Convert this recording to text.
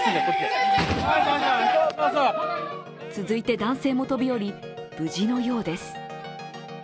続いて男性も飛び降り、無事のようです。